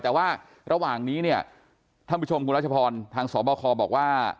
แต่ว่าระหว่างนี้เนี่ยท่านผู้ชมคุณรัชพรทางสบคบอกว่า